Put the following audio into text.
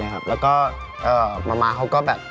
แล้วแพรสเบนเนี่ยเป็นผู้หญิง